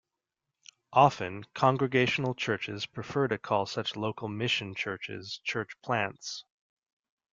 Often congregational churches prefer to call such local mission churches church plants.